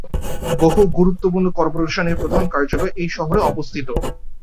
বহু গুরুত্বপূর্ণ কর্পোরেশনের প্রধান কার্যালয় এই শহরে অবস্থিত।